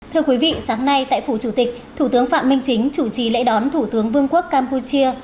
thưa quý vị sáng nay tại phủ chủ tịch thủ tướng phạm minh chính chủ trì lễ đón thủ tướng vương quốc campuchia